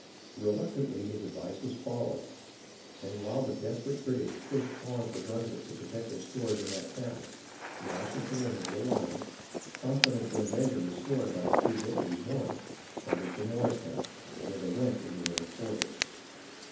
Reluctantly his advice was followed, and while the desperate British pushed on for Brunswick to protect their stores in that town, Washington and his little army, confidence in a measure restored by the two victories won, started for Morristown, where they went into winter quarters.